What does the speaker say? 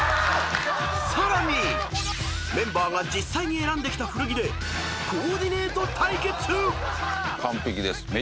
［さらにメンバーが実際に選んできた古着でコーディネート対決］